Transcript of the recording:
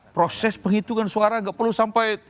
proses penghitungan suara nggak perlu sampai